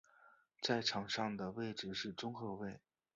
在场上的位置是中后卫。